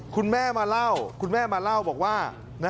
คุณแม่มาเล่าบอกว่า